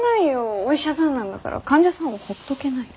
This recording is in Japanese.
お医者さんなんだから患者さんはほっとけないよ。